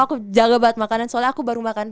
aku jaga banget makanan soalnya aku baru makan